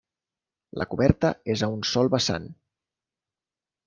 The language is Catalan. La coberta és a un sol vessant.